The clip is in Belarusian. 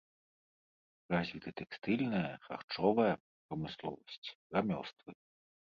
Развіты тэкстыльная, харчовая прамысловасць, рамёствы.